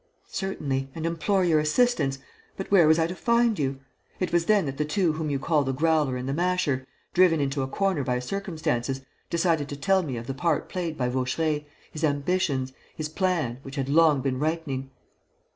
Certainly; and implore your assistance. But where was I to find you?... It was then that the two whom you call the Growler and the Masher, driven into a corner by circumstances, decided to tell me of the part played by Vaucheray, his ambitions, his plan, which had long been ripening...."